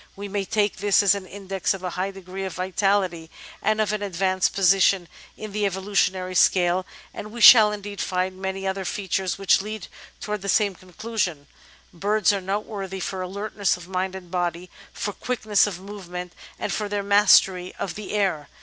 We may take this as an index of a high degree of vitality and of an advanced posi tion in the evolutionary scale, and we shall indeed find many other features which lead towards the same conclusion. Birds are note worthy for alertness of mind and body, for quickness of move ment, and for their mastery of the air.